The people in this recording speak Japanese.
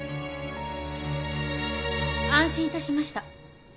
安心いたしました。